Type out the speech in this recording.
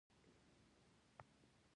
دښمن د سادګۍ نه ناوړه ګټه اخلي